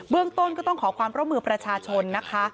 ต้นก็ต้องขอความร่วมมือประชาชนนะคะ